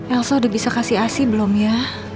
elsa udah bisa kasih asi belum ya